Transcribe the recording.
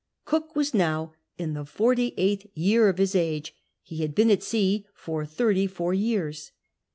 Cook was now in the forty eighth year of his age ; he had been at sea for thirty four years.